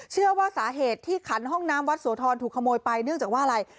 เชื่อว่าสาเหตุที่ขันห้องน้ำวัดโสธรถูกขโมยไปเนื่องจากว่าอะไร